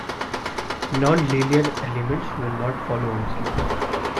Non-linear elements will not follow Ohm's law.